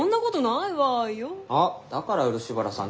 あっだから漆原さん